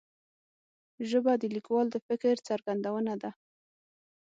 ژبه د لیکوال د فکر څرګندونه ده